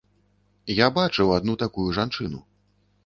Я бачыў адну такую жанчыну.